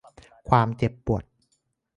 ความเจ็บปวด